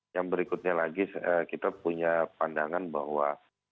yang berikutnya lagi kita punya pandangan bahwa